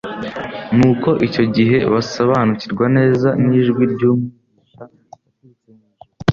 Nuko icyo gihe basobanukirwa neza n'ijwi ry'Umwigisha waturutse mu ijuru.